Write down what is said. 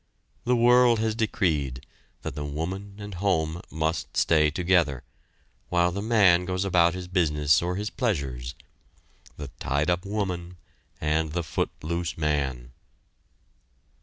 The world has decreed that the woman and home must stay together, while the man goes about his business or his pleasures the tied up woman and the foot loose man.